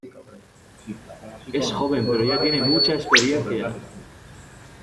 Es joven, pero ya tiene mucha experiencia.